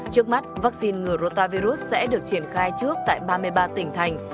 trước mắt vaccine ngừa rota virus sẽ được triển khai trước tại ba mươi ba tỉnh thành